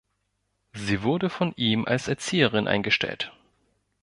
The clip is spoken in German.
Sie wurde von ihm als Erzieherin eingestellt.